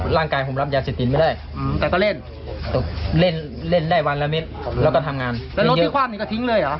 แล้วรถที่ความนี้ก็ทิ้งเลยเหรอ